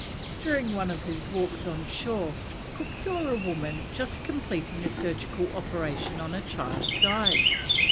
During one of his walks on shore Cook saw a woman just completing a surgical operation on a child's eyes.